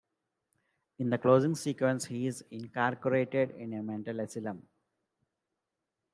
In the closing sequence he is incarcerated in a mental asylum.